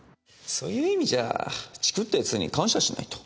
そういう意味じゃチクった奴に感謝しないと。